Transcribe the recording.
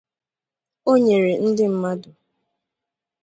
O nyere ndị mmadụ